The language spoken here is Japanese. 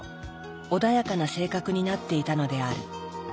穏やかな性格になっていたのである。